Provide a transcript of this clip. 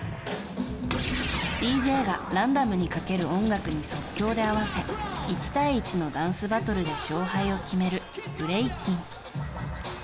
ＤＪがランダムにかける音楽に即興で合わせ１対１のダンスバトルで勝敗を決めるブレイキン。